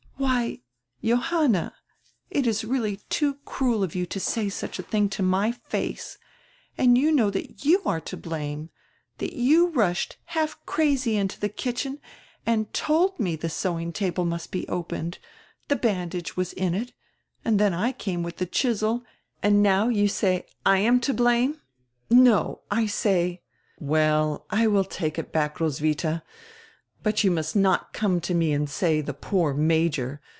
"Why, Johanna, it is really too cruel of you to say such a tiling to my face, and you know that you are to blame, and that you rushed half crazy into the kitchen and told me the sewing table must be opened, the bandage was in it, and then I came with the chisel, and now you say I am to blame. No, I say —" "Well, I will take it back, Roswitha. But you must not come to me and say: 'the poor major!'